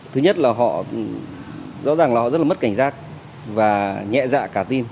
thứ nhất là họ rõ ràng là họ rất là mất cảnh giác và nhẹ dạ cả tin